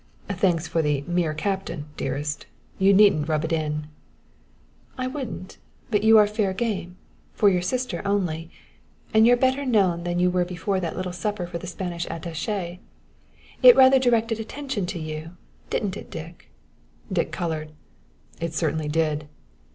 "Thanks for the 'mere captain,' dearest. You needn't rub it in." "I wouldn't. But you are fair game for your sister only! And you're better known than you were before that little supper for the Spanish attaché. It rather directed attention to you, didn't it, Dick?" Dick colored. "It certainly did."